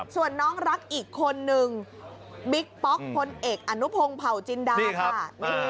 ส่วนน้องรักอีกคนนึงบิ๊กป๊อกพลเอกอนุพงศ์เผาจินดาค่ะ